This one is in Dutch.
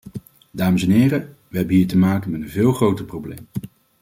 Dames en heren, we hebben hier te maken met een veel groter probleem.